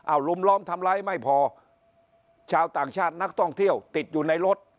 เอาลุมล้อมทำร้ายไม่พอชาวต่างชาตินักท่องเที่ยวติดอยู่ในรถ